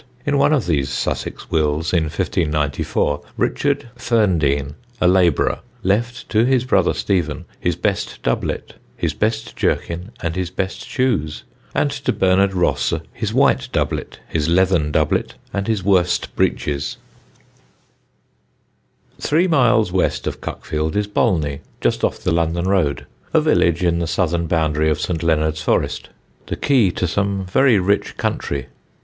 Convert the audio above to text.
In one of these Sussex wills, in 1594, Richard Phearndeane, a labourer, left to his brother Stephen his best dublett, his best jerkin and his best shoes, and to Bernard Rosse his white dublett, his leathern dublett and his worst breeches. [Sidenote: THE BELLS OF BOLNEY] Three miles west of Cuckfield is Bolney, just off the London road, a village in the southern boundary of St. Leonard's Forest, the key to some very rich country.